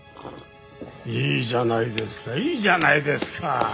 いいじゃないですかいいじゃないですか！